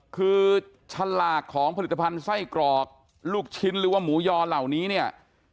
คือฉลากของผลิตภัณฑ์ไส้กรอกลูกชิ้นหรือว่าหมูยอเหล่านี้เนี่ย